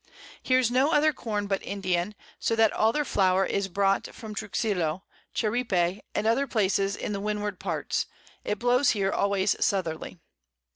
Here's no other Corn but Indian, so that all their Flower is brought from Truxillo, Cheripe, and other Places in the Windward Parts, it blows here always Southerly.